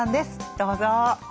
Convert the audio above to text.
どうぞ。